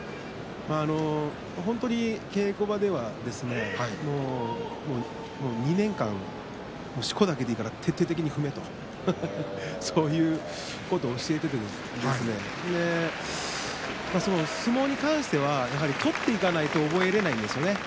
本当に稽古場では２年間しこだけでいいから徹底的に踏めとそういうことを教えていて相撲に関しては取っていかなければ覚えられないんですね。